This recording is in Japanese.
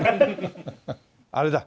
あれだ。